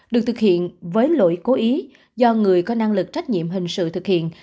được thực hiện với lỗi cố ý do người có năng lực trách nhiệm hình sự thực hiện